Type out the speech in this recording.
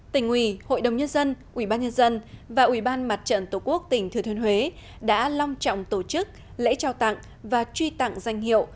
tỉnh uỷ hội đồng nhân dân ubnd và ubnd tổ quốc tỉnh thừa thuyền huế đã long trọng tổ chức lễ trao tặng và truy tặng danh hiệu